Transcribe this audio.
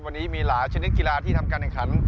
วันนี้มีหลายชนิดกีฬาที่ทำการแข่งขัน